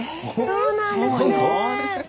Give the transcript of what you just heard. そうなんですね。